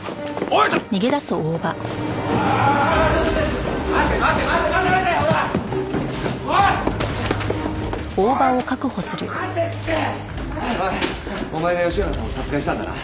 おいお前が吉原さんを殺害したんだな？